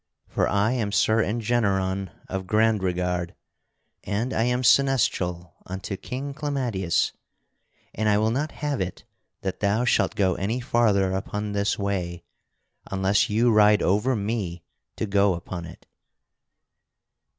For I am Sir Engeneron of Grandregarde, and I am Seneschal unto King Clamadius, and I will not have it that thou shalt go any farther upon this way unless you ride over me to go upon it."